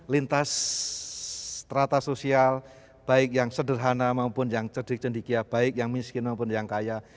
lintas strata sosial baik yang sederhana maupun yang cerdik cendikia baik yang miskin maupun yang kaya